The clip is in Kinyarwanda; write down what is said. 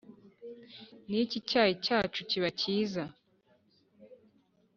Ni iki icyayi cyacu kiba cyiza?